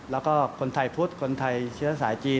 แล้วก็คนไทยพุทธคนไทยเชื้อสายจีน